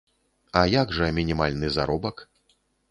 А як жа мінімальны заробак?